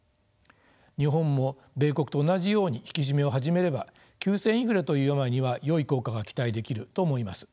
日本も米国と同じように引き締めを始めれば急性インフレという病にはよい効果が期待できると思います。